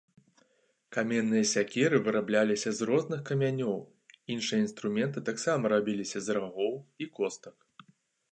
Каменныя сякеры вырабляліся з розных камянёў, іншыя інструменты таксама рабіліся з рагоў і костак.